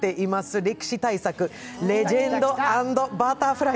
歴史大作「レジェンド＆バタフライ」。